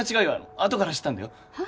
あとから知ったんだよはっ？